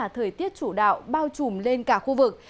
thời tiết chủ đạo bao trùm lên cả khu vực